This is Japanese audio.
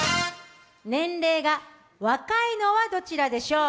年齢が若いのはどちらでしょう？